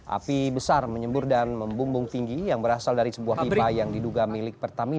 api besar menyembur dan membumbung tinggi yang berasal dari sebuah pipa yang diduga milik pertamina